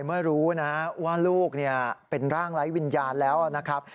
เมื่อรู้นะว่าลูกเป็นร่างไร้วิญญาณแล้วนะครับ